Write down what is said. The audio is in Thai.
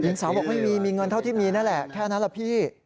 สาวบอกไม่มีมีเงินเท่าที่มีนั่นแหละแค่นั้นแหละพี่